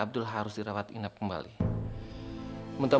aduh suara apaan tuh